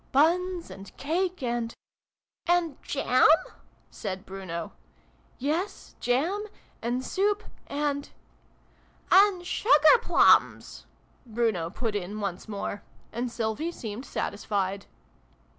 " Buns, and cake, and ("and jam ?" said Bruno.) " Yes, jam and soup and "(" and sugar plums /" Bruno put in once more ; and Sylvie seemed satisfied.)